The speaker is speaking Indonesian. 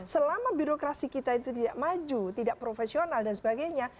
selama birokrasi kita itu tidak maju tidak profesional dan sebagainya